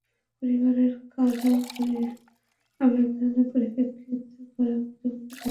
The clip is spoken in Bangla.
পরিবারের করা আবেদনের পরিপ্রেক্ষিতে কারা কর্তৃপক্ষ তাঁদের সঙ্গে স্বজনদের সাক্ষাতের অনুমতি দেয়।